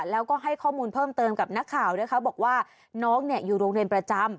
แล้วก็ให้ข้อมูลเพิ่มเติมกับนักข่าวนะคะบอกว่าน้องอยู่โรงเรียนประจำ